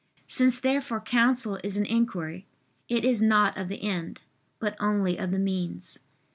Since therefore counsel is an inquiry, it is not of the end, but only of the means.